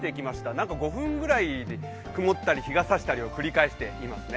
なんか５分ぐらいで曇ったり日がさしたリを繰り返していますね。